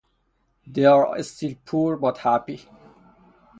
They are still poor but happy.